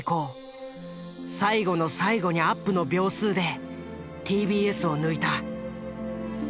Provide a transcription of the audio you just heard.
最後の最後にアップの秒数でＴＢＳを抜いた。